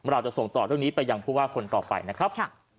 เราจะส่งต่อเรื่องนี้ไปยังผู้ว่าคนต่อไปนะครับ